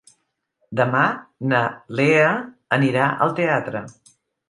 Demà na Lea anirà al teatre.